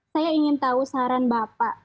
saya ingin tahu saran bapak